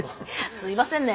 すいませんね。